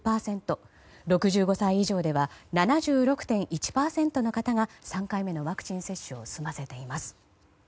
６５歳以上では７６．１％の方が３回目のワクチン接種を済ませています。